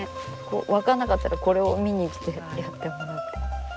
分かんなかったらこれを見にきてやってもらって。